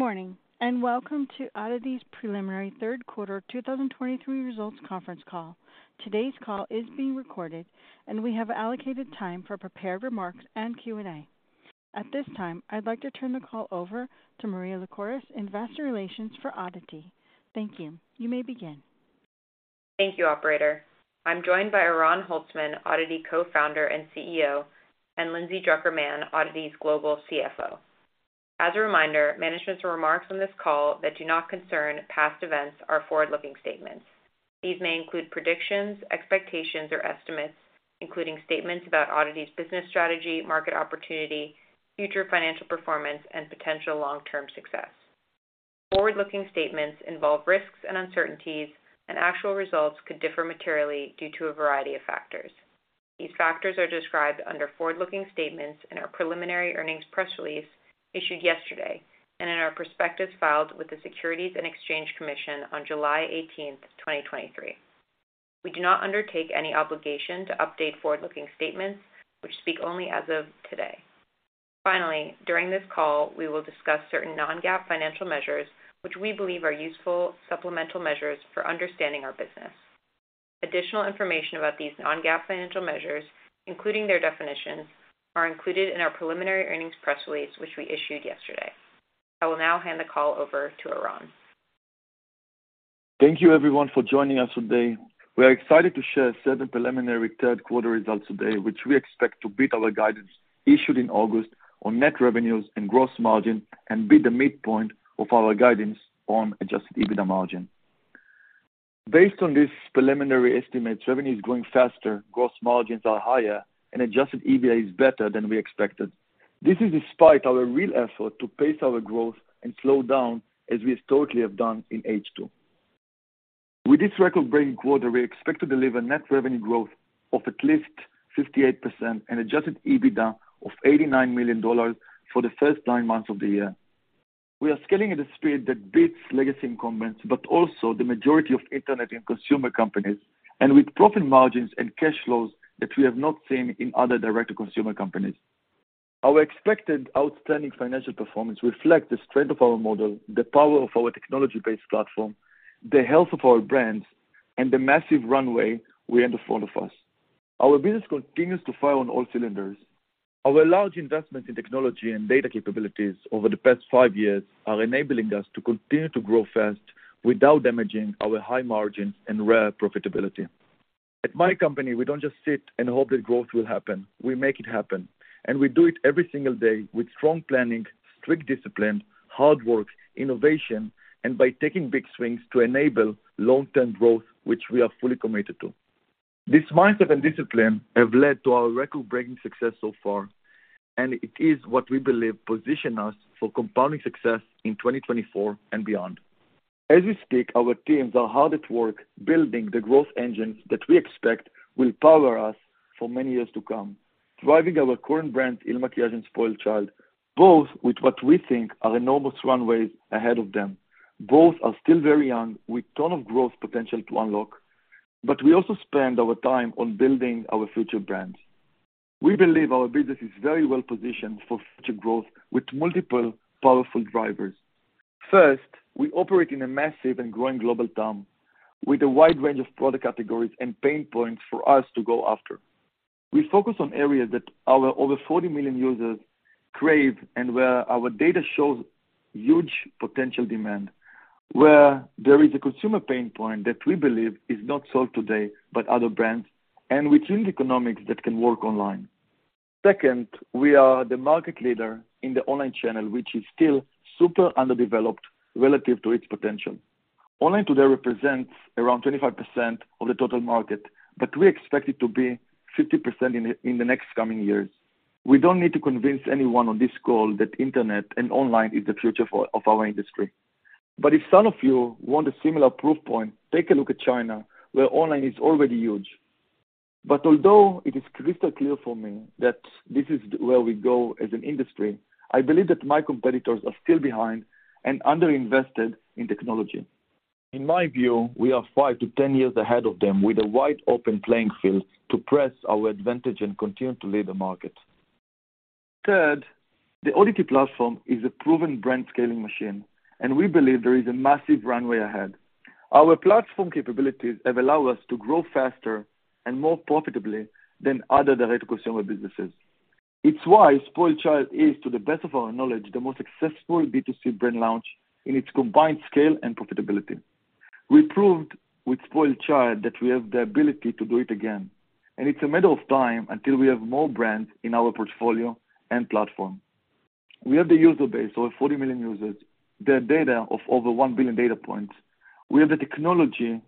Good morning, and welcome to ODDITY's Preliminary Third Quarter 2023 Results Conference Call. Today's call is being recorded, and we have allocated time for prepared remarks and Q&A. At this time, I'd like to turn the call over to Maria Lycouris, Investor Relations for ODDITY. Thank you. You may begin. Thank you, operator. I'm joined by Oran Holtzman, ODDITY Co-Founder and CEO, and Lindsay Drucker Mann, ODDITY's Global CFO. As a reminder, management's remarks on this call that do not concern past events are forward-looking statements. These may include predictions, expectations, or estimates, including statements about ODDITY's business strategy, market opportunity, future financial performance, and potential long-term success. Forward-looking statements involve risks and uncertainties, and actual results could differ materially due to a variety of factors. These factors are described under forward-looking statements in our preliminary earnings press release issued yesterday, and in our prospectus filed with the Securities and Exchange Commission on July 18th, 2023. We do not undertake any obligation to update forward-looking statements which speak only as of today. Finally, during this call, we will discuss certain non-GAAP financial measures, which we believe are useful supplemental measures for understanding our business. Additional information about these non-GAAP financial measures, including their definitions, are included in our preliminary earnings press release, which we issued yesterday. I will now hand the call over to Oran. Thank you everyone for joining us today. We are excited to share certain preliminary third quarter results today, which we expect to beat our guidance issued in August on net revenues and gross margin and beat the midpoint of our guidance on Adjusted EBITDA margin. Based on these preliminary estimates, revenue is growing faster, gross margins are higher, and Adjusted EBITDA is better than we expected. This is despite our real effort to pace our growth and slow down, as we historically have done in H2. With this record-breaking quarter, we expect to deliver net revenue growth of at least 58% and Adjusted EBITDA of $89 million for the first nine months of the year. We are scaling at a speed that beats legacy incumbents, but also the majority of internet and consumer companies, and with profit margins and cash flows that we have not seen in other direct-to-consumer companies. Our expected outstanding financial performance reflect the strength of our model, the power of our technology-based platform, the health of our brands, and the massive runway we have in front of us. Our business continues to fire on all cylinders. Our large investment in technology and data capabilities over the past five years are enabling us to continue to grow fast without damaging our high margins and rare profitability. At my company, we don't just sit and hope that growth will happen. We make it happen, and we do it every single day with strong planning, strict discipline, hard work, innovation, and by taking big swings to enable long-term growth, which we are fully committed to. This mindset and discipline have led to our record-breaking success so far, and it is what we believe position us for compounding success in 2024 and beyond. As we speak, our teams are hard at work building the growth engine that we expect will power us for many years to come, driving our current brands, IL MAKIAGE and SpoiledChild, both with what we think are enormous runways ahead of them. Both are still very young, with ton of growth potential to unlock, but we also spend our time on building our future brands. We believe our business is very well positioned for future growth with multiple powerful drivers. First, we operate in a massive and growing global market, with a wide range of product categories and pain points for us to go after. We focus on areas that our over 40 million users crave and where our data shows huge potential demand, where there is a consumer pain point that we believe is not solved today by other brands and with unique economics that can work online. Second, we are the market leader in the online channel, which is still super underdeveloped relative to its potential. Online today represents around 25% of the total market, but we expect it to be 50% in the next coming years. We don't need to convince anyone on this call that internet and online is the future of our industry. But if some of you want a similar proof point, take a look at China, where online is already huge. But although it is crystal clear for me that this is where we go as an industry, I believe that my competitors are still behind and underinvested in technology. In my view, we are 5-10 years ahead of them, with a wide open playing field to press our advantage and continue to lead the market. Third, the ODDITY platform is a proven brand scaling machine, and we believe there is a massive runway ahead. Our platform capabilities have allowed us to grow faster and more profitably than other direct-to-consumer businesses. It's why SpoiledChild is, to the best of our knowledge, the most successful B2C brand launch in its combined scale and profitability. We proved with SpoiledChild that we have the ability to do it again, and it's a matter of time until we have more brands in our portfolio and platform. We have the user base, over 40 million users, the data of over 1 billion data points. We have the technology,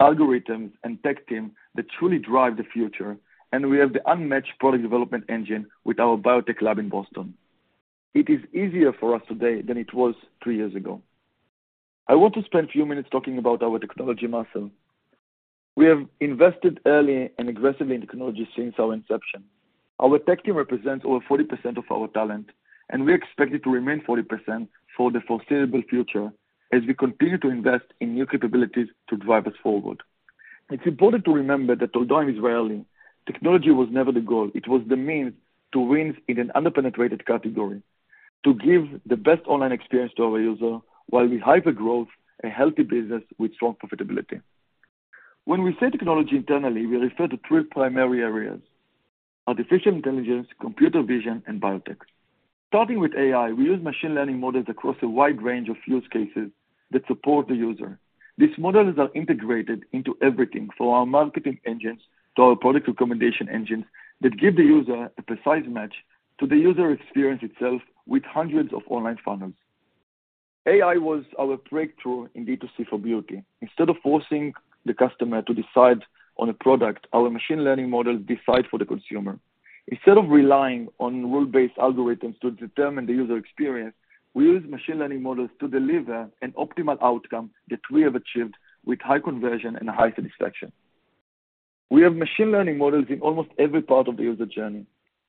algorithms, and tech team that truly drive the future, and we have the unmatched product development engine with our biotech lab in Boston. It is easier for us today than it was three years ago. I want to spend a few minutes talking about our technology muscle. We have invested early and aggressively in technology since our inception. Our tech team represents over 40% of our talent, and we expect it to remain 40% for the foreseeable future as we continue to invest in new capabilities to drive us forward. It's important to remember that although I'm Israeli, technology was never the goal. It was the means to win in an under-penetrated category, to give the best online experience to our user, while we hyper growth a healthy business with strong profitability. When we say technology internally, we refer to three primary areas: artificial intelligence, computer vision, and biotech. Starting with AI, we use machine learning models across a wide range of use cases that support the user. These models are integrated into everything, from our marketing engines to our product recommendation engines, that give the user a precise match to the user experience itself with hundreds of online funnels. AI was our breakthrough in B2C for beauty. Instead of forcing the customer to decide on a product, our machine learning models decide for the consumer. Instead of relying on rule-based algorithms to determine the user experience, we use machine learning models to deliver an optimal outcome that we have achieved with high conversion and high satisfaction. We have machine learning models in almost every part of the user journey.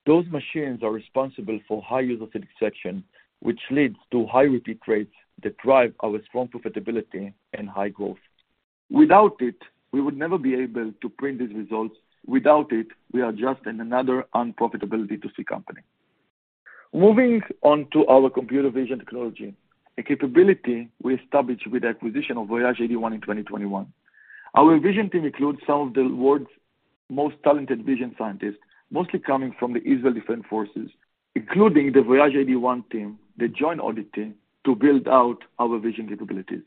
Those machines are responsible for high user satisfaction, which leads to high repeat rates that drive our strong profitability and high growth. Without it, we would never be able to print these results. Without it, we are just another unprofitable B2C company. Moving on to our computer vision technology, a capability we established with the acquisition of Voyage81 in 2021. Our vision team includes some of the world's most talented vision scientists, mostly coming from the Israel Defense Forces, including the Voyage81 team, that joined ODDITY to build out our vision capabilities.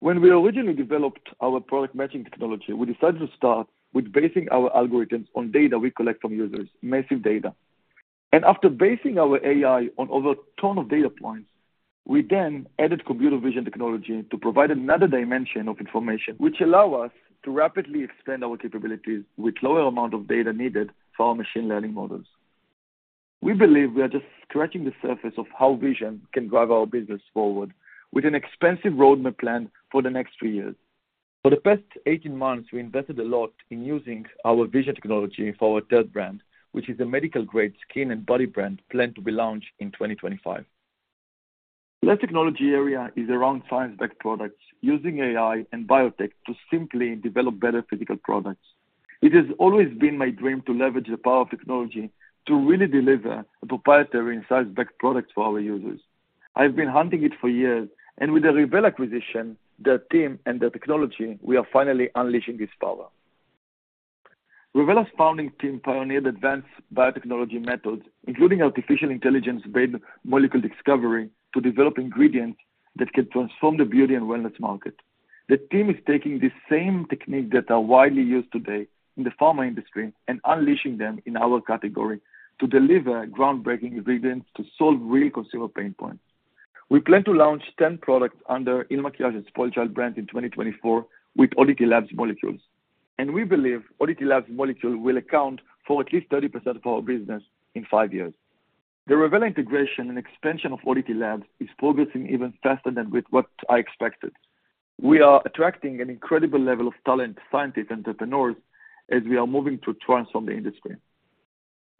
When we originally developed our product matching technology, we decided to start with basing our algorithms on data we collect from users, massive data. And after basing our AI on over a ton of data points, we then added computer vision technology to provide another dimension of information, which allow us to rapidly expand our capabilities with lower amount of data needed for our machine learning models. We believe we are just scratching the surface of how vision can drive our business forward, with an extensive roadmap plan for the next three years. For the past 18 months, we invested a lot in using our vision technology for our third brand, which is a medical-grade skin and body brand planned to be launched in 2025. The last technology area is around science-backed products, using AI and biotech to simply develop better physical products. It has always been my dream to leverage the power of technology to really deliver a proprietary and science-backed product for our users. I've been hunting it for years, and with the Revela acquisition, their team, and their technology, we are finally unleashing this power. Revela's founding team pioneered advanced biotechnology methods, including artificial intelligence-based molecule discovery, to develop ingredients that can transform the beauty and wellness market. The team is taking the same techniques that are widely used today in the pharma industry and unleashing them in our category to deliver groundbreaking ingredients to solve real consumer pain points. We plan to launch 10 products under IL MAKIAGE and SpoiledChild brand in 2024 with ODDITY Labs molecules, and we believe ODDITY Labs molecules will account for at least 30% of our business in five years. The Revela integration and expansion of ODDITY Labs is progressing even faster than with what I expected. We are attracting an incredible level of talent, scientist, entrepreneurs, as we are moving to transform the industry.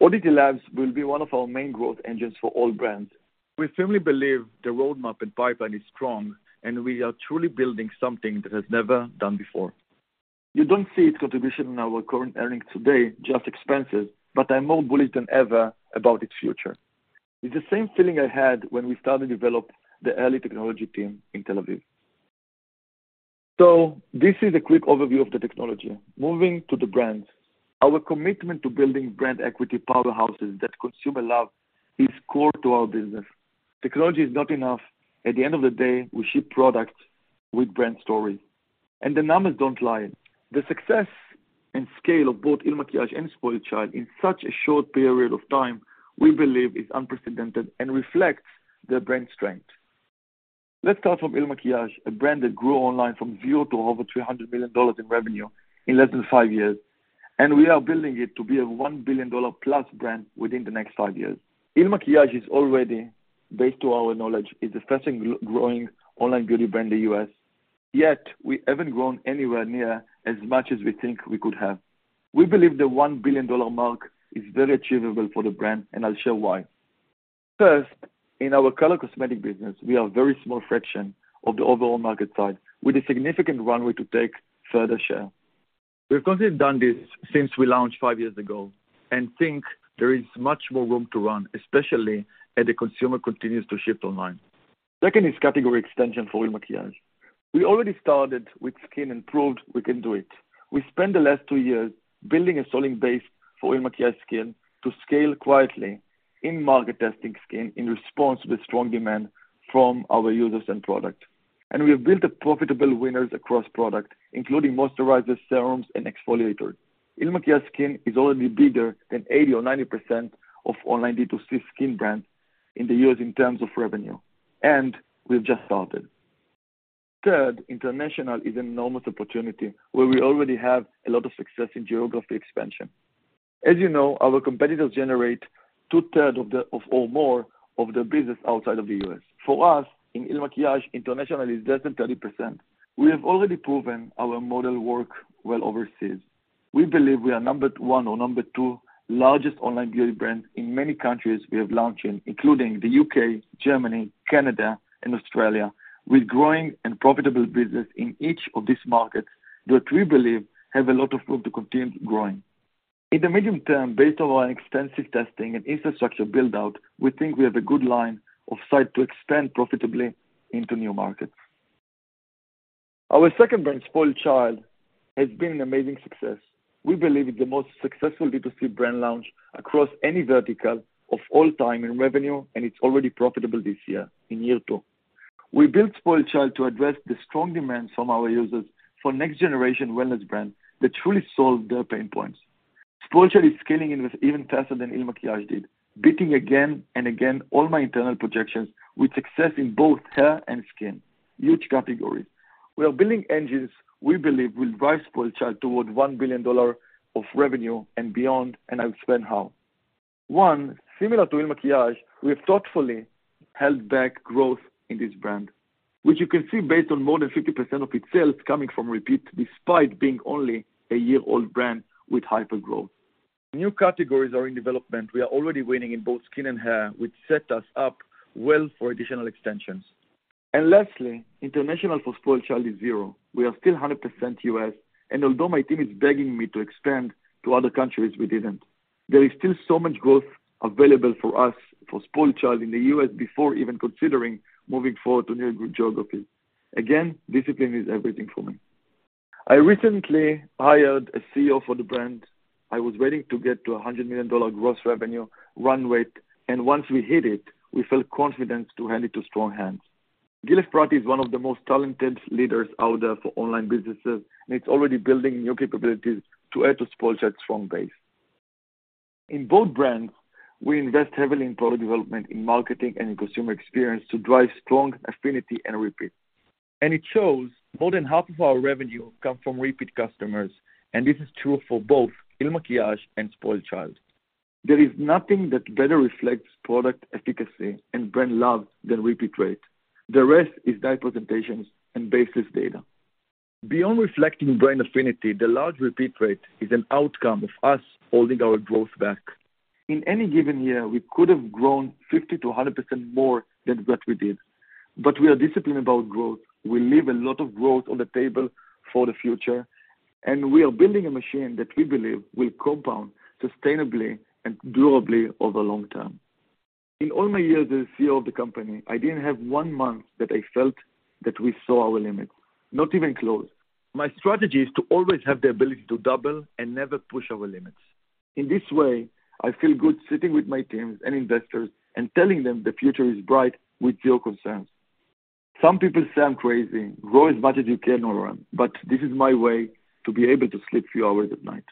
ODDITY Labs will be one of our main growth engines for all brands. We firmly believe the roadmap and pipeline is strong, and we are truly building something that has never done before. You don't see its contribution in our current earnings today, just expenses, but I'm more bullish than ever about its future. It's the same feeling I had when we started to develop the early technology team in Tel Aviv. So this is a quick overview of the technology. Moving to the brand, our commitment to building brand equity powerhouses that consumer love is core to our business. Technology is not enough. At the end of the day, we ship products with brand stories, and the numbers don't lie. The success and scale of both IL MAKIAGE and SpoiledChild in such a short period of time, we believe is unprecedented and reflects their brand strength. Let's start from IL MAKIAGE, a brand that grew online from zero to over $300 million in revenue in less than five years, and we are building it to be a $1 billion plus brand within the next five years. IL MAKIAGE is already, based to our knowledge, is the fastest growing online beauty brand in the U.S., yet we haven't grown anywhere near as much as we think we could have. We believe the $1 billion mark is very achievable for the brand, and I'll share why. First, in our color cosmetic business, we are a very small fraction of the overall market size, with a significant runway to take further share. We've consistently done this since we launched five years ago and think there is much more room to run, especially as the consumer continues to shift online. Second is category extension for IL MAKIAGE. We already started with skin and proved we can do it. We spent the last two years building a selling base for IL MAKIAGE skin to scale quietly in market testing skin in response to the strong demand from our users and product. And we have built a profitable winners across product, including moisturizers, serums, and exfoliator. IL MAKIAGE skin is already bigger than 80% or 90% of online B2C skin brands in the U.S. in terms of revenue, and we've just started. Third, international is an enormous opportunity where we already have a lot of success in geography expansion. As you know, our competitors generate two-thirds of or more of their business outside of the U.S. For us, in IL MAKIAGE, international is less than 30%. We have already proven our model work well overseas. We believe we are number one or number two largest online beauty brand in many countries we have launched in, including the U.K., Germany, Canada, and Australia, with growing and profitable business in each of these markets that we believe have a lot of room to continue growing. In the medium term, based on our extensive testing and infrastructure build-out, we think we have a good line of sight to expand profitably into new markets. Our second brand, SpoiledChild, has been an amazing success. We believe it's the most successful B2C brand launch across any vertical of all time in revenue, and it's already profitable this year, in year two. We built SpoiledChild to address the strong demands from our users for next-generation wellness brand that truly solve their pain points. SpoiledChild is scaling in with even faster than IL MAKIAGE did, beating again and again all my internal projections with success in both hair and skin, huge categories. We are building engines we believe will drive SpoiledChild toward $1 billion of revenue and beyond, and I'll explain how. One, similar to IL MAKIAGE, we have thoughtfully held back growth in this brand, which you can see based on more than 50% of its sales coming from repeat, despite being only a year-old brand with hypergrowth. New categories are in development. We are already winning in both skin and hair, which set us up well for additional extensions. And lastly, international for SpoiledChild is zero. We are still 100% US, and although my team is begging me to expand to other countries, we didn't. There is still so much growth available for us, for SpoiledChild in the US, before even considering moving forward to new geographies. Again, discipline is everything for me. I recently hired a CEO for the brand. I was waiting to get to a $100 million gross revenue run rate, and once we hit it, we felt confident to hand it to strong hands. Gil Efrati is one of the most talented leaders out there for online businesses, and it's already building new capabilities to add to SpoiledChild's strong base. In both brands, we invest heavily in product development, in marketing, and in consumer experience to drive strong affinity and repeat. It shows more than half of our revenue come from repeat customers, and this is true for both IL MAKIAGE and SpoiledChild. There is nothing that better reflects product efficacy and brand love than repeat rate. The rest is [nice presentations and baseless data]. Beyond reflecting brand affinity, the large repeat rate is an outcome of us holding our growth back. In any given year, we could have grown 50%-100% more than what we did, but we are disciplined about growth. We leave a lot of growth on the table for the future, and we are building a machine that we believe will compound sustainably and durably over long term. In all my years as CEO of the company, I didn't have one month that I felt that we saw our limits, not even close. My strategy is to always have the ability to double and never push our limits. In this way, I feel good sitting with my teams and investors and telling them the future is bright with zero concerns. Some people say I'm crazy, "Grow as much as you can, Oran," but this is my way to be able to sleep few hours at night.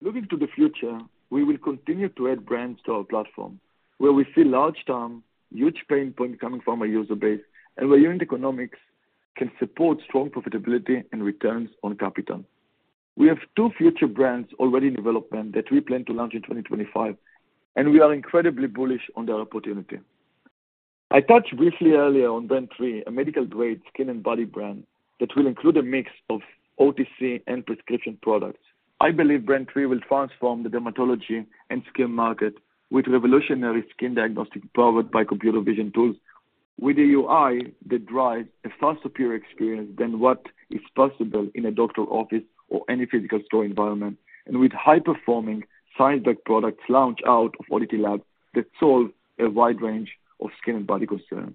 Looking to the future, we will continue to add brands to our platform, where we see large term, huge pain point coming from our user base, and where unit economics can support strong profitability and returns on capital. We have two future brands already in development that we plan to launch in 2025, and we are incredibly bullish on their opportunity. I touched briefly earlier on Brand 3, a medical-grade skin and body brand that will include a mix of OTC and prescription products. I believe Brand 3 will transform the dermatology and skin market with revolutionary skin diagnostic, powered by computer vision tools, with a UI that drives a far superior experience than what is possible in a doctor's office or any physical store environment, and with high-performing science-backed products launched out of ODDITY Labs that solve a wide range of skin and body concerns.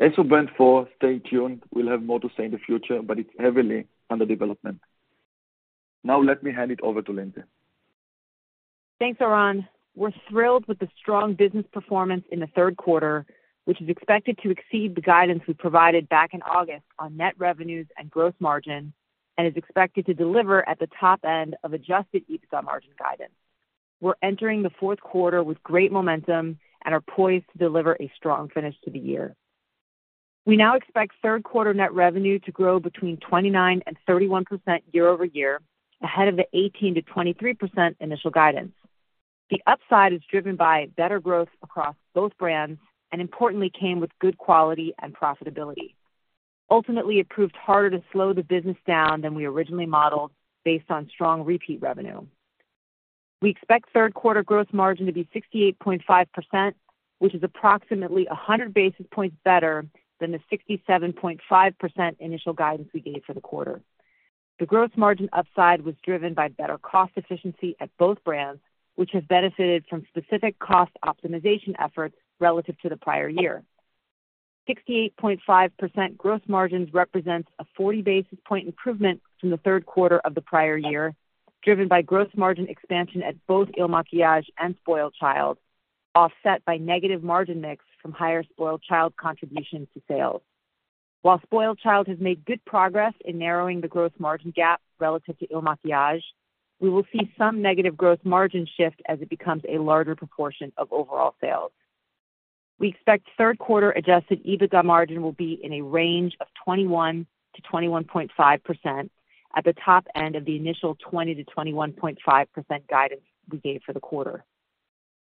As for Brand 4, stay tuned. We'll have more to say in the future, but it's heavily under development. Now, let me hand it over to Lindsay. Thanks, Oran. We're thrilled with the strong business performance in the third quarter, which is expected to exceed the guidance we provided back in August on net revenues and gross margin and is expected to deliver at the top end of Adjusted EBITDA margin guidance. We're entering the fourth quarter with great momentum and are poised to deliver a strong finish to the year. We now expect third quarter net revenue to grow between 29% YoY and 31% YoY, ahead of the 18%-23% initial guidance. The upside is driven by better growth across both brands, and importantly, came with good quality and profitability. Ultimately, it proved harder to slow the business down than we originally modeled, based on strong repeat revenue. We expect third quarter gross margin to be 68.5%, which is approximately 100 basis points better than the 67.5% initial guidance we gave for the quarter. The gross margin upside was driven by better cost efficiency at both brands, which have benefited from specific cost optimization efforts relative to the prior year. 68.5% gross margin represents a 40 basis point improvement from the third quarter of the prior year, driven by gross margin expansion at both IL MAKIAGE and SpoiledChild, offset by negative margin mix from higher SpoiledChild contributions to sales. While SpoiledChild has made good progress in narrowing the gross margin gap relative to IL MAKIAGE, we will see some negative gross margin shift as it becomes a larger proportion of overall sales. We expect third quarter Adjusted EBITDA margin will be in a range of 21%-21.5% at the top end of the initial 20%-21.5% guidance we gave for the quarter.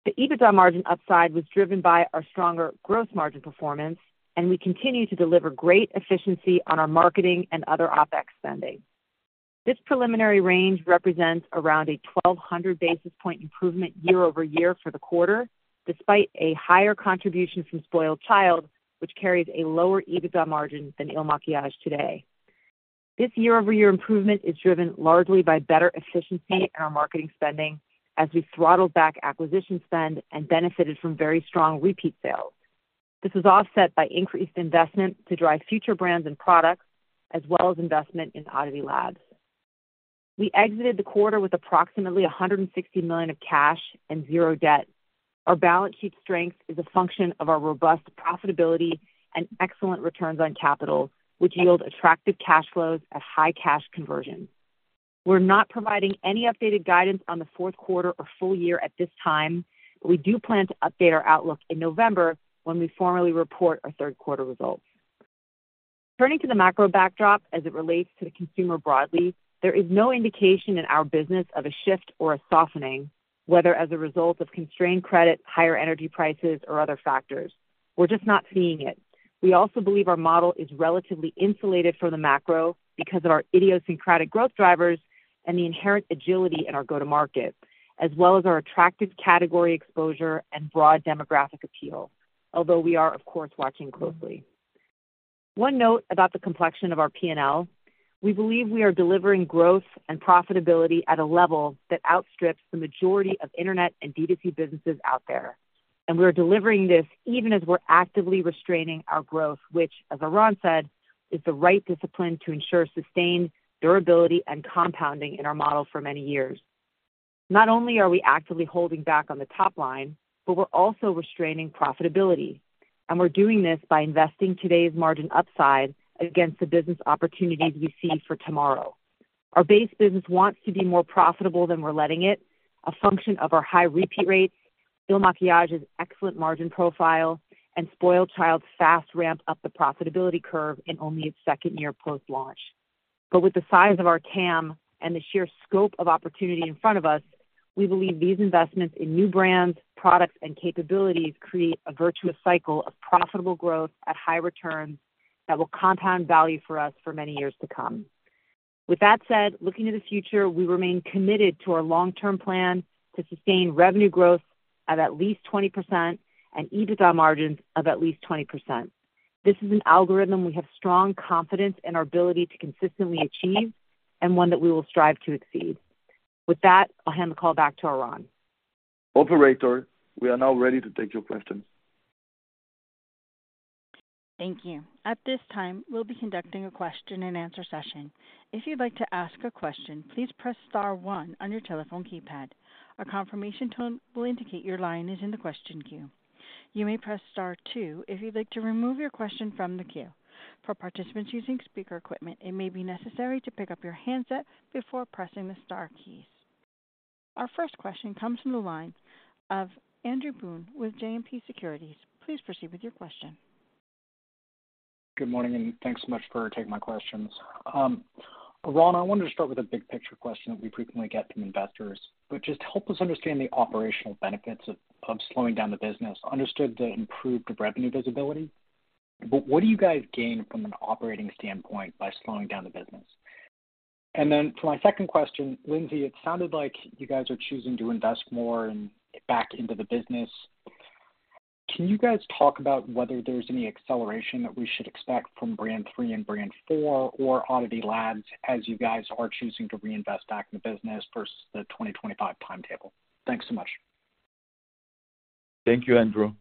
The EBITDA margin upside was driven by our stronger gross margin performance, and we continue to deliver great efficiency on our marketing and other OpEx spending. This preliminary range represents around a 1,200 basis point improvement year-over-year for the quarter, despite a higher contribution from SpoiledChild, which carries a lower EBITDA margin than IL MAKIAGE today. This year-over-year improvement is driven largely by better efficiency in our marketing spending as we throttled back acquisition spend and benefited from very strong repeat sales. This was offset by increased investment to drive future brands and products, as well as investment in ODDITY Labs. We exited the quarter with approximately $160 million of cash and zero debt. Our balance sheet strength is a function of our robust profitability and excellent returns on capital, which yield attractive cash flows at high cash conversion. We're not providing any updated guidance on the fourth quarter or full year at this time. We do plan to update our outlook in November when we formally report our third quarter results. Turning to the macro backdrop as it relates to the consumer broadly, there is no indication in our business of a shift or a softening, whether as a result of constrained credit, higher energy prices, or other factors. We're just not seeing it. We also believe our model is relatively insulated from the macro because of our idiosyncratic growth drivers and the inherent agility in our go-to-market, as well as our attractive category exposure and broad demographic appeal. Although we are, of course, watching closely. One note about the complexion of our P&L. We believe we are delivering growth and profitability at a level that outstrips the majority of internet and B2C businesses out there, and we are delivering this even as we're actively restraining our growth, which, as Oran said, is the right discipline to ensure sustained durability and compounding in our model for many years. Not only are we actively holding back on the top line, but we're also restraining profitability, and we're doing this by investing today's margin upside against the business opportunities we see for tomorrow. Our base business wants to be more profitable than we're letting it, a function of our high repeat rates, IL MAKIAGE's excellent margin profile, and SpoiledChild's fast ramp up the profitability curve in only its second year post-launch. But with the size of our TAM and the sheer scope of opportunity in front of us, we believe these investments in new brands, products, and capabilities create a virtuous cycle of profitable growth at high returns that will compound value for us for many years to come. With that said, looking to the future, we remain committed to our long-term plan to sustain revenue growth of at least 20% and EBITDA margins of at least 20%. This is an algorithm we have strong confidence in our ability to consistently achieve and one that we will strive to exceed. With that, I'll hand the call back to Oran. Operator, we are now ready to take your questions. Thank you. At this time, we'll be conducting a question and answer session. If you'd like to ask a question, please press star one on your telephone keypad. A confirmation tone will indicate your line is in the question queue. You may press star two if you'd like to remove your question from the queue. For participants using speaker equipment, it may be necessary to pick up your handset before pressing the star keys. Our first question comes from the line of Andrew Boone with JMP Securities. Please proceed with your question. Good morning, and thanks so much for taking my questions. Oran, I wanted to start with a big picture question that we frequently get from investors, which is, help us understand the operational benefits of slowing down the business. Understood the improved revenue visibility, but what do you guys gain from an operating standpoint by slowing down the business? And then for my second question, Lindsay, it sounded like you guys are choosing to invest more and back into the business. Can you guys talk about whether there's any acceleration that we should expect from Brand 3 and Brand 4 or ODDITY Labs as you guys are choosing to reinvest back in the business versus the 2025 timetable? Thanks so much. Thank you, Andrew.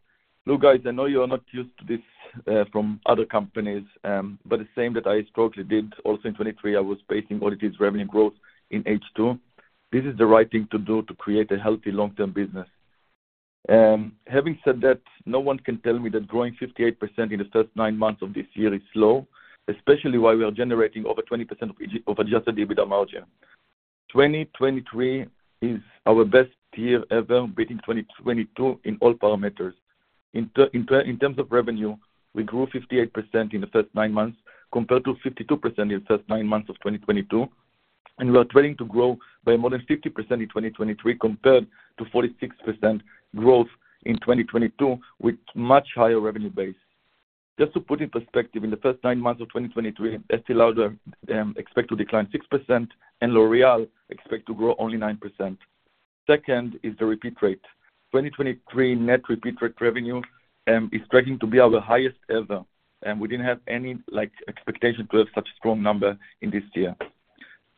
Look, guys, I know you are not used to this from other companies, but the same that I historically did also in 2023, I was pacing ODDITY's revenue growth in H2. This is the right thing to do to create a healthy long-term business. Having said that, no one can tell me that growing 58% in the first nine months of this year is slow, especially while we are generating over 20% Adjusted EBITDA margin. 2023 is our best year ever, beating 2022 in all parameters. In terms of revenue, we grew 58% in the first nine months, compared to 52% in the first nine months of 2022, and we are trending to grow by more than 50% in 2023, compared to 46% growth in 2022, with much higher revenue base. Just to put in perspective, in the first nine months of 2023, Estée Lauder expect to decline 6% and L'Oréal expect to grow only 9%. Second is the repeat rate. 2023 net repeat rate revenue is trending to be our highest ever, and we didn't have any, like, expectation to have such a strong number in this year.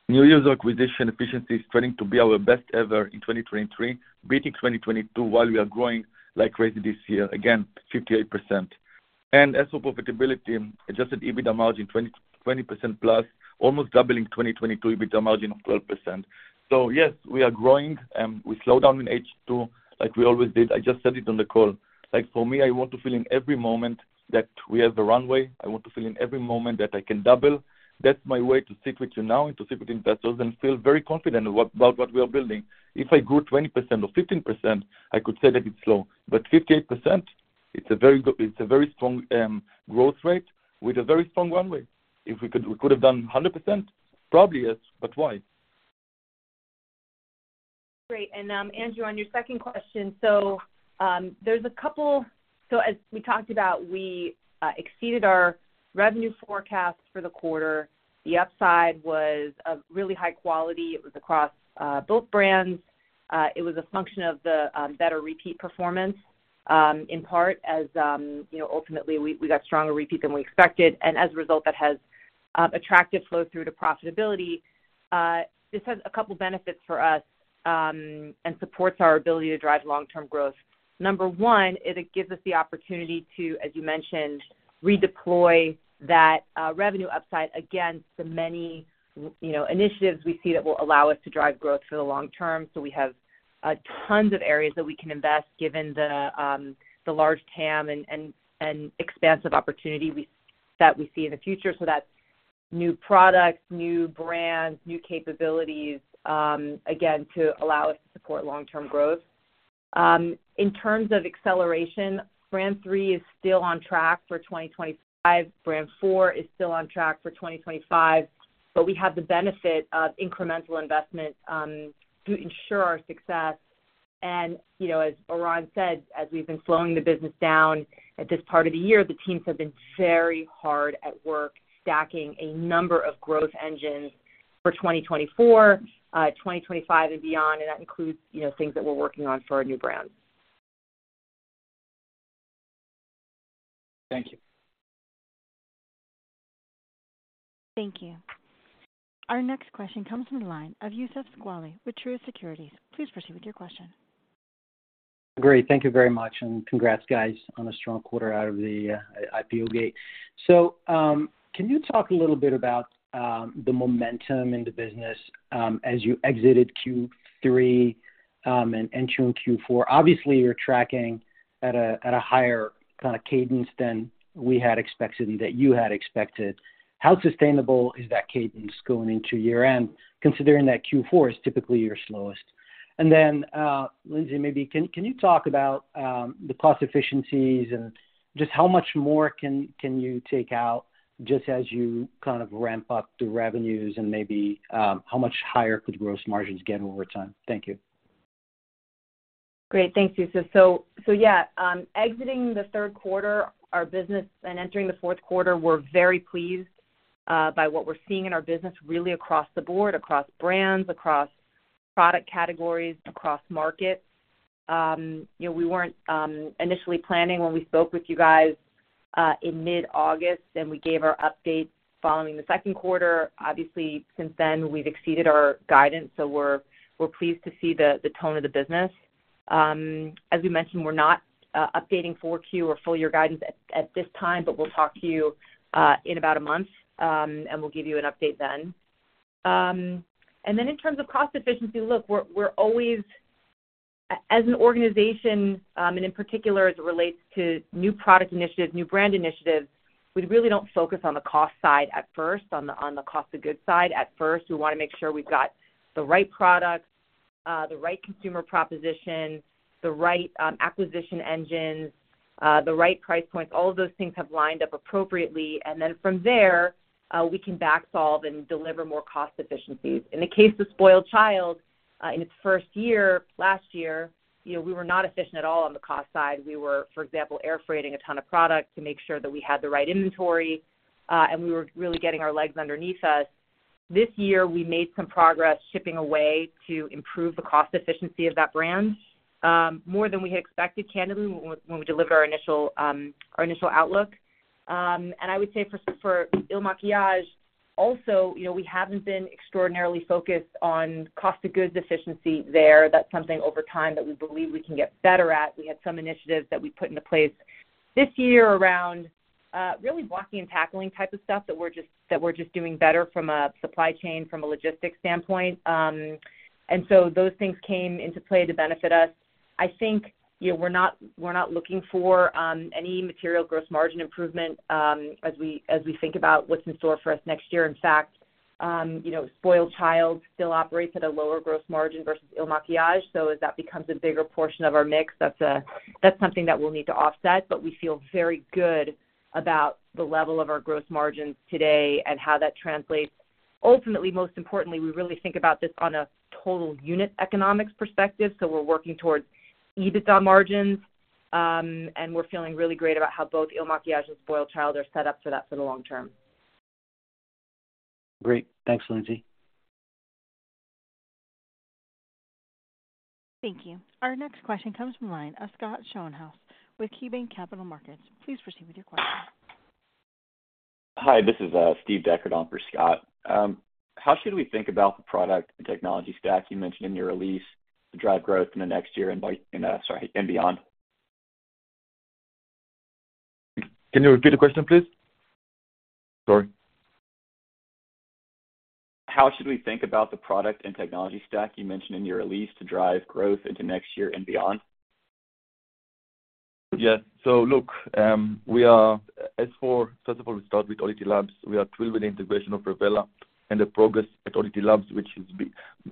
New user acquisition efficiency is trending to be our best ever in 2023, beating 2022 while we are growing like crazy this year. Again, 58%. As for profitability, Adjusted EBITDA margin 20-20% plus, almost doubling 2022 EBITDA margin of 12%. So yes, we are growing, and we slow down in H2 like we always did. I just said it on the call. Like, for me, I want to fill in every moment that we have the runway. I want to fill in every moment that I can double. That's my way to speak with you now and to speak with investors and feel very confident about what we are building. If I grew 20% or 15%, I could say that it's slow, but 58%, it's a very good, it's a very strong growth rate with a very strong runway. If we could, we could have done 100%?... Probably yes, but why? Great. And, Andrew, on your second question, so, there's a couple. So as we talked about, we exceeded our revenue forecast for the quarter. The upside was of really high quality. It was across both brands. It was a function of the better repeat performance, in part, as you know, ultimately, we got stronger repeat than we expected, and as a result, that has attracted flow through to profitability. This has a couple benefits for us, and supports our ability to drive long-term growth. Number one, it gives us the opportunity to, as you mentioned, redeploy that revenue upside against the many, you know, initiatives we see that will allow us to drive growth for the long term. So we have tons of areas that we can invest, given the large TAM and expansive opportunity that we see in the future. So that's new products, new brands, new capabilities, again, to allow us to support long-term growth. In terms of acceleration, Brand 3 is still on track for 2025. Brand 4 is still on track for 2025, but we have the benefit of incremental investment to ensure our success. And, you know, as Oran said, as we've been slowing the business down at this part of the year, the teams have been very hard at work, stacking a number of growth engines for 2024, 2025 and beyond, and that includes, you know, things that we're working on for our new brands. Thank you. Thank you. Our next question comes from the line of Youssef Squali with Truist Securities. Please proceed with your question. Great. Thank you very much, and congrats, guys, on a strong quarter out of the IPO gate. So, can you talk a little bit about the momentum in the business as you exited Q3 and entering Q4? Obviously, you're tracking at a higher kind of cadence than we had expected and that you had expected. How sustainable is that cadence going into year-end, considering that Q4 is typically your slowest? And then, Lindsay, maybe you can talk about the cost efficiencies and just how much more can you take out just as you kind of ramp up the revenues and maybe how much higher could gross margins get over time? Thank you. Great. Thanks, Youssef. So yeah, exiting the third quarter, our business and entering the fourth quarter, we're very pleased by what we're seeing in our business, really across the board, across brands, across product categories, across markets. You know, we weren't initially planning when we spoke with you guys in mid-August, and we gave our updates following the second quarter. Obviously, since then, we've exceeded our guidance, so we're pleased to see the tone of the business. As we mentioned, we're not updating Q4 or full year guidance at this time, but we'll talk to you in about a month, and we'll give you an update then. And then in terms of cost efficiency, look, we're always... As an organization, and in particular, as it relates to new product initiatives, new brand initiatives, we really don't focus on the cost side at first, on the cost of goods side at first. We want to make sure we've got the right products, the right consumer proposition, the right acquisition engines, the right price points. All of those things have lined up appropriately, and then from there, we can backsolve and deliver more cost efficiencies. In the case of SpoiledChild, in its first year, last year, you know, we were not efficient at all on the cost side. We were, for example, air freighting a ton of product to make sure that we had the right inventory, and we were really getting our legs underneath us. This year, we made some progress shipping away to improve the cost efficiency of that brand, more than we had expected, candidly, when we delivered our initial, our initial outlook. And I would say for IL MAKIAGE also, you know, we haven't been extraordinarily focused on cost of goods efficiency there. That's something over time that we believe we can get better at. We had some initiatives that we put into place this year around, really blocking and tackling type of stuff that we're just doing better from a supply chain, from a logistics standpoint. And so those things came into play to benefit us. I think, you know, we're not looking for any material gross margin improvement, as we think about what's in store for us next year. In fact, you know, SpoiledChild still operates at a lower gross margin versus IL MAKIAGE. So as that becomes a bigger portion of our mix, that's something that we'll need to offset, but we feel very good about the level of our gross margins today and how that translates. Ultimately, most importantly, we really think about this on a total unit economics perspective. So we're working towards EBITDA margins, and we're feeling really great about how both IL MAKIAGE and SpoiledChild are set up for that for the long term. Great. Thanks, Lindsay. Thank you. Our next question comes from the line of Scott Schoenhaus with KeyBanc Capital Markets. Please proceed with your question. Hi, this is Steve Dechert on for Scott. How should we think about the product and technology stack you mentioned in your release to drive growth in the next year and by, sorry, and beyond? Can you repeat the question, please? Sorry. How should we think about the product and technology stack you mentioned in your release to drive growth into next year and beyond? Yeah. So look, we are, as for... First of all, we start with ODDITY Labs. We are thrilled with the integration of Revela and the progress at ODDITY Labs, which is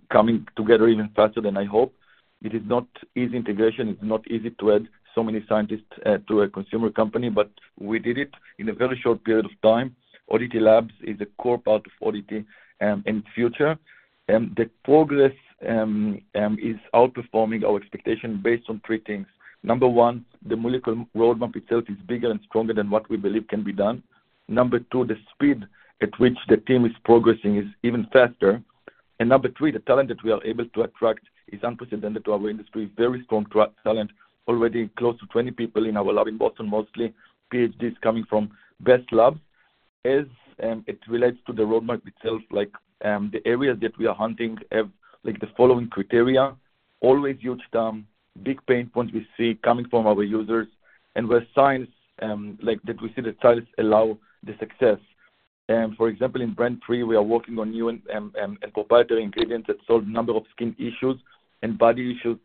becoming together even faster than I hope. It is not easy integration. It's not easy to add so many scientists, to a consumer company, but we did it in a very short period of time. ODDITY Labs is a core part of ODDITY, in future, and the progress, is outperforming our expectation based on three things. Number one, the molecular roadmap itself is bigger and stronger than what we believe can be done. Number two, the speed at which the team is progressing is even faster. Number three, the talent that we are able to attract is unprecedented to our industry. Very strong talent. Already close to 20 people in our lab in Boston, mostly PhDs, coming from best labs. As it relates to the roadmap itself, like, the areas that we are hunting have, like, the following criteria: always huge TAM, big pain points we see coming from our users and where science, like that we see the science allow the success. For example, in Brand 3, we are working on new and, and proprietary ingredients that solve number of skin issues and body issues,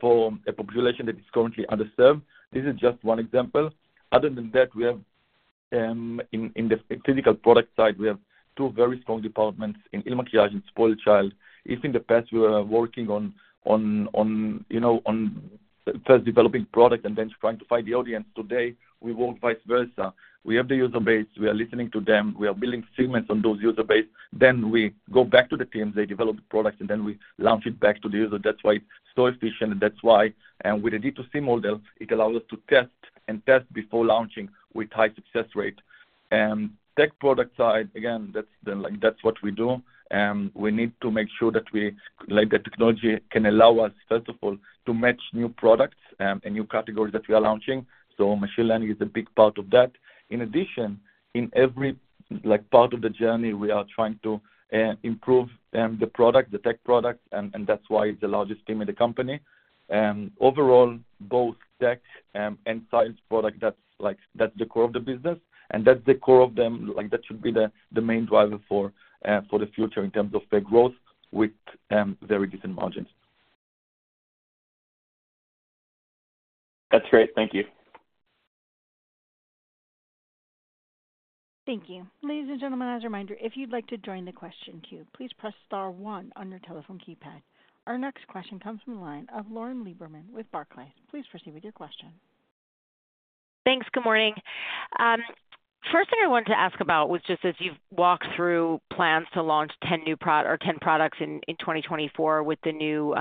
for a population that is currently underserved. This is just one example. Other than that, we have, in, in the physical product side, we have two very strong departments in IL MAKIAGE and SpoiledChild. If in the past we were working on, on, on, you know, on first developing product and then trying to find the audience, today, we work vice versa. We have the user base, we are listening to them, we are building segments on those user base. Then we go back to the teams, they develop the product, and then we launch it back to the user. That's why it's so efficient, and that's why... And with the B2C model, it allows us to test and test before launching with high success rate. And tech product side, again, that's the, like, that's what we do, and we need to make sure that we, like, the technology can allow us, first of all, to match new products, and new categories that we are launching. So machine learning is a big part of that. In addition, in every, like, part of the journey, we are trying to improve the product, the tech product, and that's why it's the largest team in the company. Overall, both tech and science product, that's like, that's the core of the business, and that's the core of them. Like, that should be the main driver for the future in terms of the growth with very good margins. That's great. Thank you. Thank you. Ladies and gentlemen, as a reminder, if you'd like to join the question queue, please press star one on your telephone keypad. Our next question comes from the line of Lauren Lieberman with Barclays. Please proceed with your question. Thanks. Good morning. First thing I wanted to ask about was just as you've walked through plans to launch 10 new products in 2024 with the new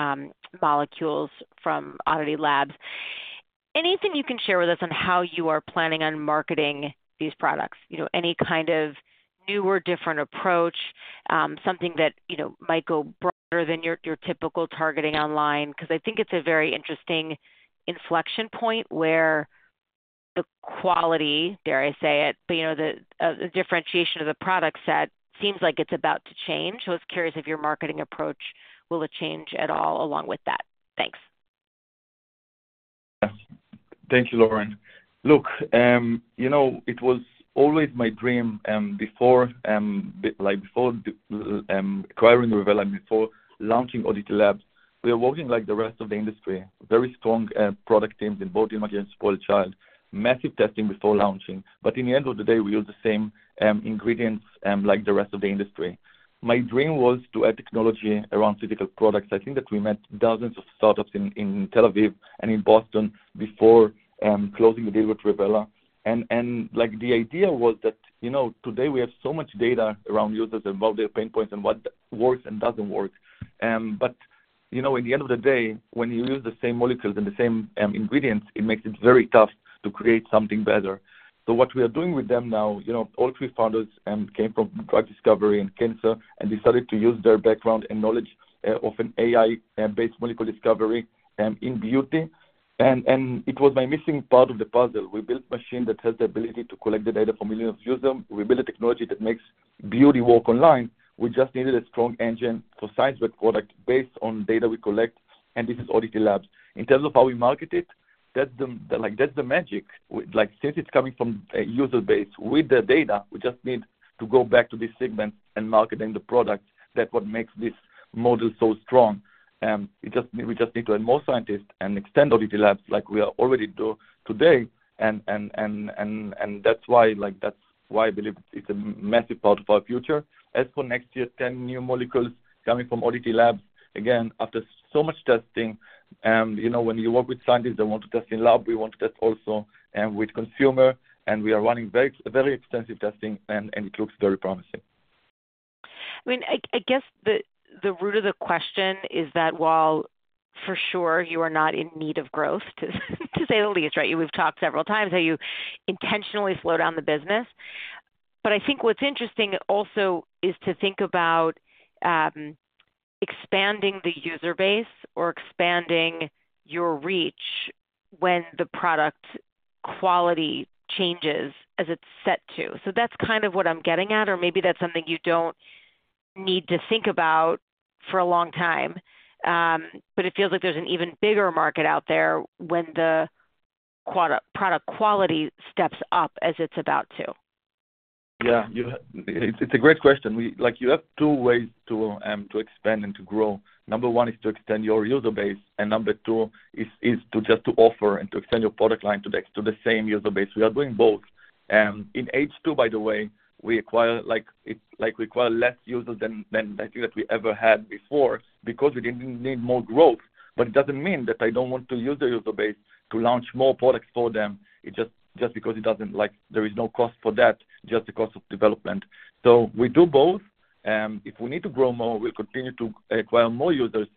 molecules from ODDITY Labs, anything you can share with us on how you are planning on marketing these products? You know, any kind of new or different approach, something that, you know, might go broader than your typical targeting online? Because I think it's a very interesting inflection point where the quality, dare I say it, but, you know, the differentiation of the product set seems like it's about to change. So I was curious if your marketing approach will it change at all along with that? Thanks. Thank you, Lauren. Look, you know, it was always my dream, before, like, before acquiring Revela, before launching ODDITY Labs, we are working like the rest of the industry, very strong product teams in both IL MAKIAGE and SpoiledChild. Massive testing before launching, but in the end of the day, we use the same ingredients like the rest of the industry. My dream was to add technology around physical products. I think that we met dozens of startups in Tel Aviv and in Boston before closing the deal with Revela. And like, the idea was that, you know, today we have so much data around users, about their pain points and what works and doesn't work. But, you know, at the end of the day, when you use the same molecules and the same ingredients, it makes it very tough to create something better. So what we are doing with them now, you know, all three founders came from drug discovery and cancer and decided to use their background and knowledge of an AI-based molecule discovery in beauty. And it was my missing part of the puzzle. We built machine that has the ability to collect the data for millions of users. We build a technology that makes beauty work online. We just needed a strong engine for science, but product based on data we collect, and this is ODDITY Labs. In terms of how we market it, that's the, like, that's the magic. Like, since it's coming from a user base with the data, we just need to go back to this segment and marketing the product. That's what makes this model so strong. It just- we just need to add more scientists and extend ODDITY Labs like we are already do today. And that's why, like, that's why I believe it's a massive part of our future. As for next year, 10 new molecules coming from ODDITY Labs. Again, after so much testing, you know, when you work with scientists, they want to test in lab. We want to test also with consumer, and we are running very, very extensive testing, and it looks very promising. I mean, I guess the root of the question is that while for sure you are not in need of growth, to say the least, right? We've talked several times how you intentionally slow down the business. But I think what's interesting also is to think about expanding the user base or expanding your reach when the product quality changes as it's set to. So that's kind of what I'm getting at, or maybe that's something you don't need to think about for a long time. But it feels like there's an even bigger market out there when the product quality steps up as it's about to. Yeah, it's a great question. We, like, you have two ways to expand and to grow. Number 1 is to extend your user base, and number 2 is to just offer and to extend your product line to the same user base. We are doing both. In H2, by the way, we acquire, like, it's like we acquire less users than I think that we ever had before, because we didn't need more growth. But it doesn't mean that I don't want to use the user base to launch more products for them. It just because it doesn't, like, there is no cost for that, just the cost of development. So we do both. If we need to grow more, we'll continue to acquire more users,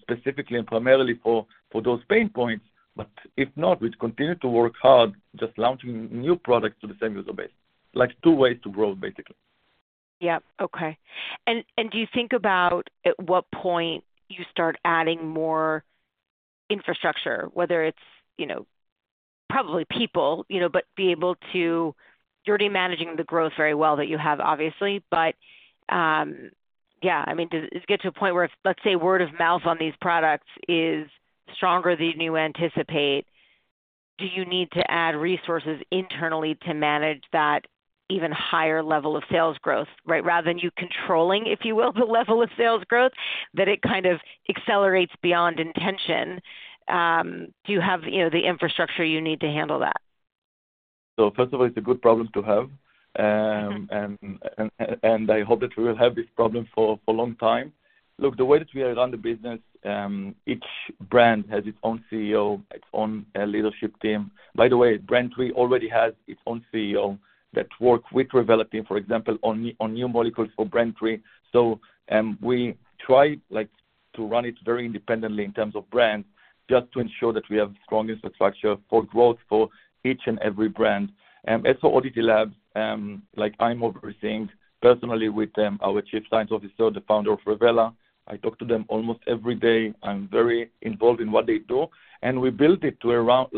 specifically and primarily for those pain points. But if not, we'll continue to work hard just launching new products to the same user base. Like, two ways to grow, basically. Yeah. Okay. And, and do you think about at what point you start adding more infrastructure, whether it's, you know, probably people, you know, but be able to... You're already managing the growth very well that you have, obviously. But, yeah, I mean, does it get to a point where, if, let's say, word of mouth on these products is stronger than you anticipate, do you need to add resources internally to manage that even higher level of sales growth, right? Rather than you controlling, if you will, the level of sales growth, that it kind of accelerates beyond intention. Do you have, you know, the infrastructure you need to handle that? So first of all, it's a good problem to have. And I hope that we will have this problem for a long time. Look, the way that we run the business, each brand has its own CEO, its own leadership team. By the way, Brand 3 already has its own CEO that works with Revela team, for example, on new molecules for Brand 3. So, we try, like, to run it very independently in terms of brands, just to ensure that we have strong infrastructure for growth for each and every brand. As for ODDITY Labs, like, I'm overseeing personally with them, our Chief Scientific Officer, the founder of Revela. I talk to them almost every day. I'm very involved in what they do, and we built it to allow,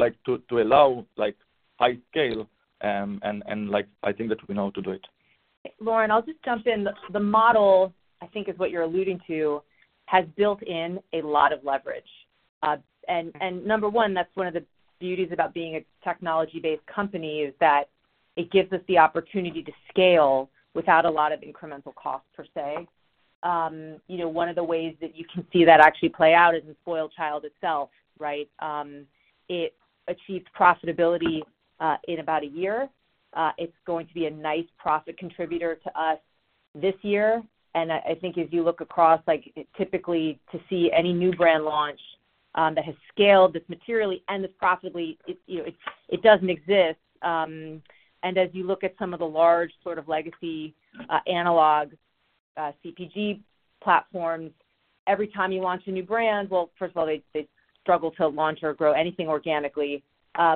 like, high scale, and like I think that we know how to do it. Lauren, I'll just jump in. The model, I think, is what you're alluding to, has built in a lot of leverage. And number one, that's one of the beauties about being a technology-based company, is that it gives us the opportunity to scale without a lot of incremental cost, per se. You know, one of the ways that you can see that actually play out is in SpoiledChild itself, right? It achieved profitability in about a year. It's going to be a nice profit contributor to us this year. And I think if you look across, like typically, to see any new brand launch that has scaled this materially and this profitably, it you know, it doesn't exist. And as you look at some of the large sort of legacy, analog, CPG platforms, every time you launch a new brand, well, first of all, they, they struggle to launch or grow anything organically.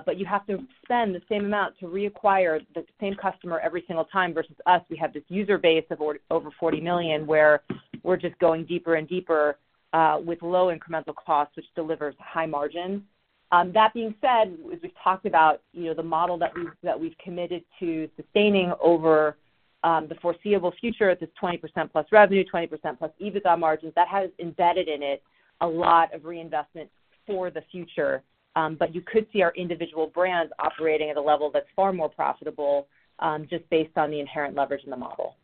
But you have to spend the same amount to reacquire the same customer every single time versus us, we have this user base of over 40 million, where we're just going deeper and deeper, with low incremental costs, which delivers high margins. That being said, as we've talked about, you know, the model that we've, that we've committed to sustaining over, the foreseeable future is this 20%+ revenue, 20%+ EBITDA margins. That has embedded in it a lot of reinvestment for the future. You could see our individual brands operating at a level that's far more profitable, just based on the inherent leverage in the model.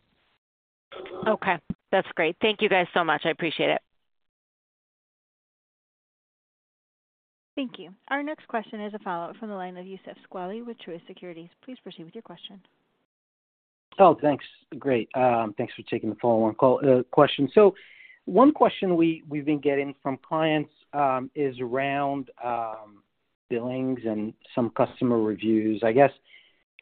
Okay, that's great. Thank you guys so much. I appreciate it. Thank you. Our next question is a follow-up from the line of Youssef Squali with Truist Securities. Please proceed with your question. Oh, thanks. Great, thanks for taking the follow-up call, question. So one question we've been getting from clients is around billings and some customer reviews. I guess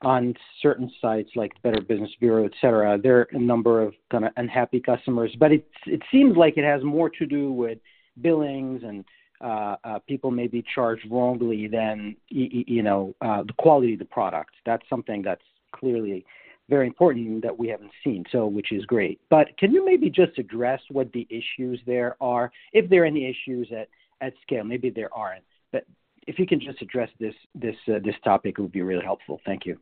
on certain sites like Better Business Bureau, et cetera, there are a number of kind of unhappy customers, but it seems like it has more to do with billings and people may be charged wrongly than you know, the quality of the product. That's something that's clearly very important that we haven't seen, so which is great. But can you maybe just address what the issues there are, if there are any issues at scale? Maybe there aren't. But if you can just address this topic, it would be really helpful. Thank you.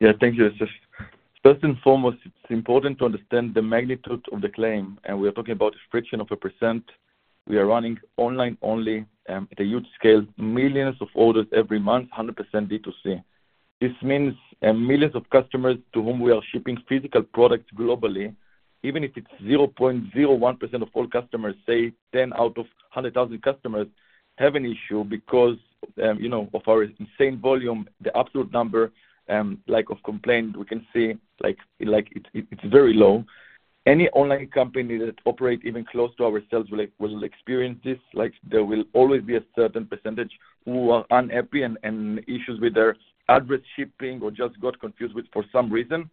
Yeah. Thank you, Youssef. First and foremost, it's important to understand the magnitude of the claim, and we are talking about a fraction of a percent. We are running online only at a huge scale, millions of orders every month, 100% B2C. This means millions of customers to whom we are shipping physical products globally, even if it's 0.01% of all customers, say, 10 out of 100,000 customers, have an issue because, you know, of our insane volume, the absolute number, like, of complaint, we can see, like, it's very low. Any online company that operates even close to our sales will experience this. Like, there will always be a certain percentage who are unhappy and issues with their address shipping or just got confused with for some reason.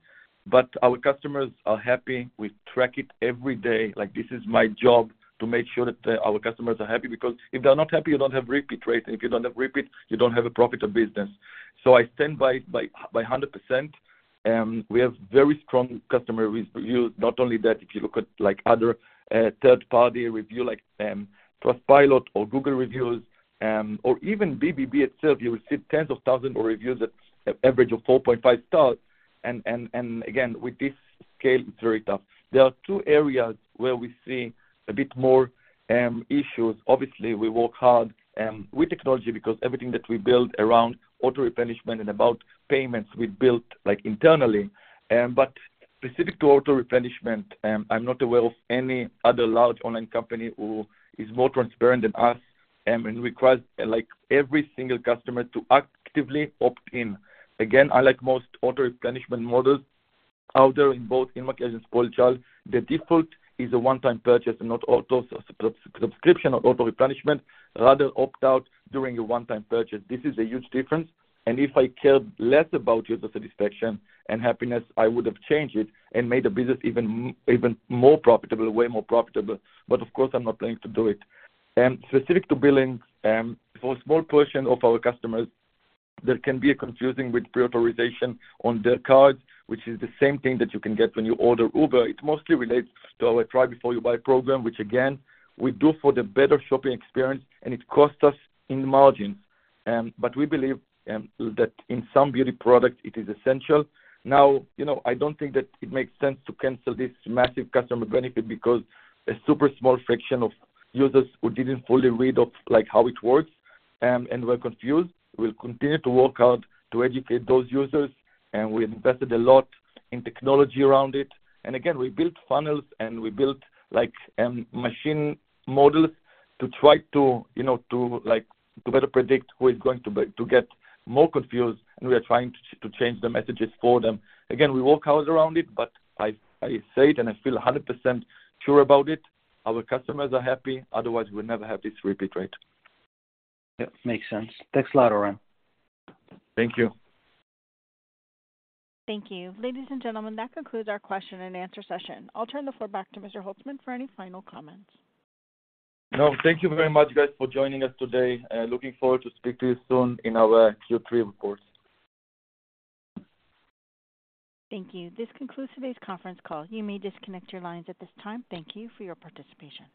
But our customers are happy. We track it every day. Like, this is my job, to make sure that, our customers are happy, because if they're not happy, you don't have repeat rate. And if you don't have repeat, you don't have a profitable business. So I stand by 100%, we have very strong customer reviews. Not only that, if you look at like, other, third-party review, like, Trustpilot or Google reviews, or even BBB itself, you will see tens of thousands of reviews that have average of 4.5 stars. And again, with this scale, it's very tough. There are two areas where we see a bit more issues. Obviously, we work hard with technology because everything that we build around auto-replenishment and about payments, we built like internally. But-... Specific to auto-replenishment, I'm not aware of any other large online company who is more transparent than us, and requires, like, every single customer to actively opt in. Unlike most auto-replenishment models out there in both IL MAKIAGE and SpoiledChild, the default is a one-time purchase and not auto subscription or auto-replenishment, rather opt out during a one-time purchase. This is a huge difference, and if I cared less about user satisfaction and happiness, I would have changed it and made the business even more profitable, way more profitable. But of course, I'm not planning to do it. Specific to billing, for a small portion of our customers, there can be confusion with pre-authorization on their cards, which is the same thing that you can get when you order Uber. It mostly relates to our Try Before You Buy program, which again, we do for the better shopping experience, and it costs us in margin. But we believe that in some beauty products, it is essential. Now, you know, I don't think that it makes sense to cancel this massive customer benefit because a super small fraction of users who didn't fully read of, like, how it works, and were confused. We'll continue to work out to educate those users, and we invested a lot in technology around it. And again, we built funnels, and we built, like, machine models to try to, you know, to like, to better predict who is going to buy- to get more confused, and we are trying to, to change the messages for them. Again, we work hard around it, but I, I say it, and I feel 100% sure about it. Our customers are happy, otherwise, we'll never have this repeat rate. Yep, makes sense. Thanks a lot, Oran. Thank you. Thank you. Ladies and gentlemen, that concludes our question and answer session. I'll turn the floor back to Mr. Holtzman for any final comments. No, thank you very much, guys, for joining us today, and looking forward to speak to you soon in our Q3 report. Thank you. This concludes today's conference call. You may disconnect your lines at this time. Thank you for your participation.